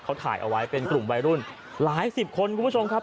เขาถ่ายเอาไว้เป็นกลุ่มวัยรุ่นหลายสิบคนคุณผู้ชมครับ